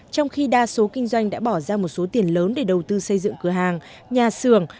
trong khi đa số kinh doanh đã bỏ ra một số tiền lớn để đầu tư xây dựng cửa hàng nhà xưởng